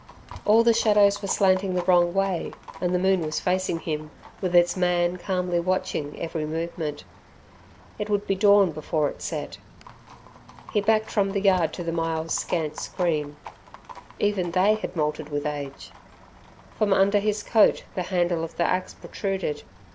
All the shadows were slanting the wrong way, and the moon was facing him, with its man calmly watching every movement. It would be dawn before it set. He backed from the yard to the myall's scant screen. Even they had moulted with age. From under his coat the handle of the axe protruded.